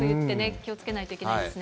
気をつけないといけないですね。